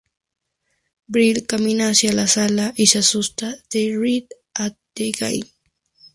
Brill camina hacia la sala y se asusta, "They're at it again!